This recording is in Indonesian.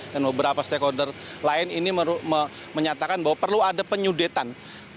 dan beberapa stakeholder lain ini menyatakan bahwa perlu ada penyudetan